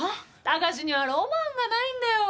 高志にはロマンがないんだよ。